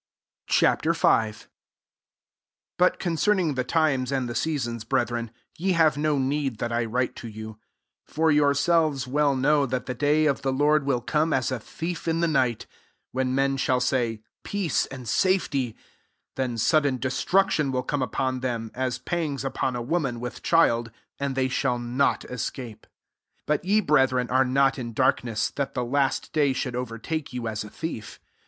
* Ch. V. 1 But concerning the times and the seasons, brethren, jre have no need that I write to you. 2 For yourselves well know that the day of the Lord will come as a thief in the night. 3 When men shall say, " Peace and safety ;" then sud den destruction will come upon them, as pangs upon a woman ^ith child : and they shall not escape. 4 But y e, brethren, are not in darkness, tliat the laat day should overtake you as a thief.